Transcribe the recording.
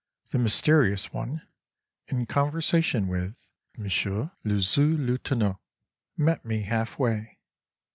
The mysterious one, in conversation with monsieur le sous lieutenant, met me half way.